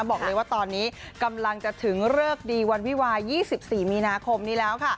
บอกเลยว่าตอนนี้กำลังจะถึงเริกดีวันวิวายิ้วสิบสี่มีนาคมนี้แล้ว